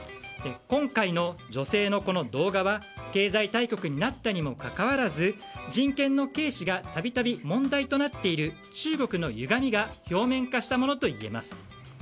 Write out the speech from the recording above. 今回の女性の動画は経済大国になったにもかかわらず人権の軽視が度々問題となっている中国のゆがみが表面化したものといえます。